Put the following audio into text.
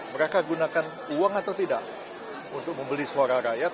mereka gunakan uang atau tidak untuk membeli suara rakyat